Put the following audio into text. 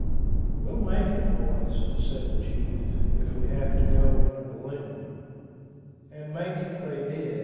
"We'll make it, boys," said the chief, "if we have to go in a balloon." And make it they did.